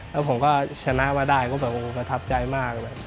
แล้วผมก็ชนะมาได้ก็ประทับใจมาก